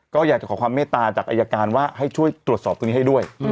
ก็อยากจะขอความเมตตาจากอายการว่าให้ช่วยตรวจสอบตรงนี้ให้ด้วย